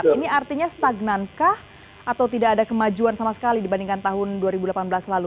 ini artinya stagnankah atau tidak ada kemajuan sama sekali dibandingkan tahun dua ribu delapan belas lalu